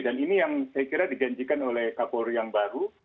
dan ini yang saya kira dijanjikan oleh kapolri yang baru